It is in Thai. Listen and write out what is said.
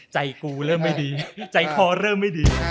ใจกูเริ่มไม่ดีใจคอเริ่มไม่ดี